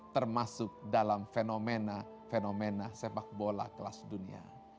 termasuk dalam fenomena fenomena sepak bola kelas dunia